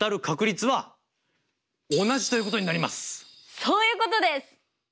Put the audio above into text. そういうことです！